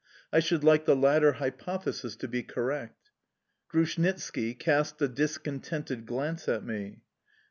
I should like the latter hypothesis to be correct. Grushnitski cast a discontented glance at me.